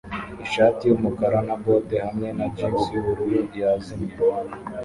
ishati yumukara na bote hamwe na jans yubururu yazimye.